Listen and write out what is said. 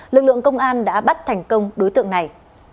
lực lượng công an đã bắt thành công đối tượng này